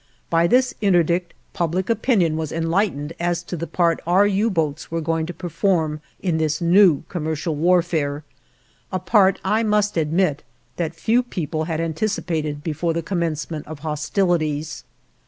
By this interdict, public opinion was enlightened as to the part our U boats were going to perform in this new commercial warfare, a part, I must admit, that few people had anticipated before the commencement of hostilities.